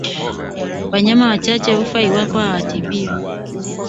Wanyama wachache hufa iwapo hawatibiwi